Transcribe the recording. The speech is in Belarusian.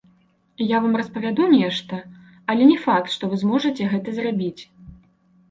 Я вам распавяду нешта, але не факт, што вы зможаце гэта зрабіць.